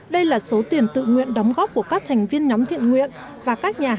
đây là số tiền tự nguyện đóng góp của các thành viên nhóm thiện nguyện